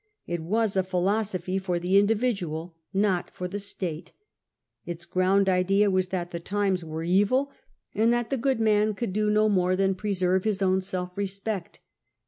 It was a philosophy for the individual, not for the state; its ground idea was that the times were evil, and that the good man could do no more than preserve his own self respect.